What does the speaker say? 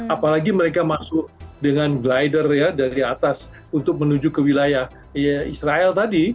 apalagi mereka masuk dengan glider ya dari atas untuk menuju ke wilayah israel tadi